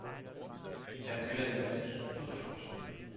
Er ist weder lebendig noch tot.